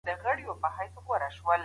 د نفوس جوړښت هم په پام کي نيول سوی دی.